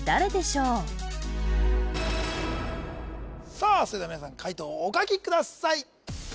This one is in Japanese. さあそれでは皆さん解答をお書きください